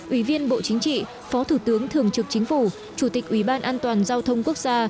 ủy viên bộ chính trị phó thủ tướng thường trực chính phủ chủ tịch ủy ban an toàn giao thông quốc gia